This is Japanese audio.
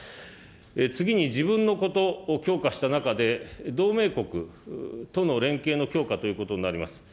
次に自分のことを強化した中で、同盟国との連携の強化ということになります。